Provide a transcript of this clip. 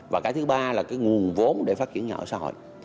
và cái thứ ba là cái nguồn vốn để phát triển nhà ở xã hội